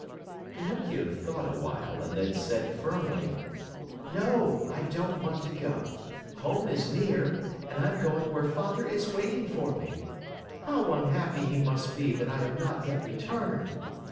Pinocchio thought a while and then said firmly: "No, I don't want to go. Home is near, and I'm going where Father is waiting for me. How unhappy he must be that I have not yet returned!